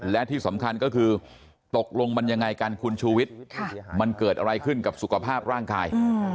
และที่สำคัญก็คือตกลงมันยังไงกันคุณชูวิทย์มันเกิดอะไรขึ้นกับสุขภาพร่างกาย